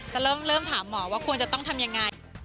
จะเริ่มถามหมอว่าควรจะต้องทำยังไง